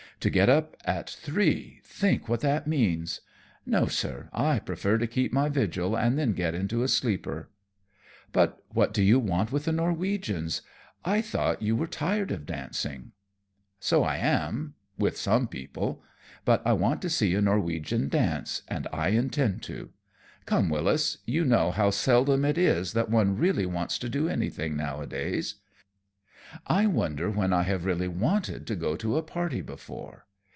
To get up at three, think what that means! No, sir, I prefer to keep my vigil and then get into a sleeper." "But what do you want with the Norwegians? I thought you were tired of dancing." "So I am, with some people. But I want to see a Norwegian dance, and I intend to. Come, Wyllis, you know how seldom it is that one really wants to do anything nowadays. I wonder when I have really wanted to go to a party before.